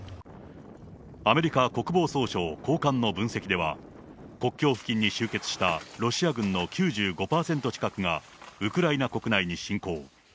アメリカ国防総省高官の分析では、国境付近に集結したロシア軍の９５％近くがウクライナ国内に侵攻。